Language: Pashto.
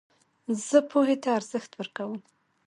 زه پوهي ته ارزښت ورکوم.